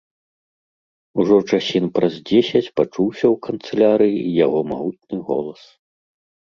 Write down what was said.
Ужо часін праз дзесяць пачуўся ў канцылярыі яго магутны голас.